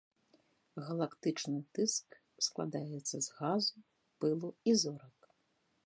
Галактычны дыск складаецца з газу, пылу і зорак.